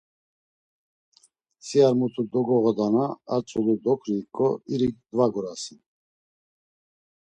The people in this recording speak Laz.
Si ar muti dogoğodana ar tzulu doǩriiǩo irik dvagurasen.